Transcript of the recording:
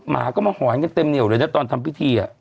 หมาก็มาหอนกันเต็มเหนียวเลยนะตอนทำพิธี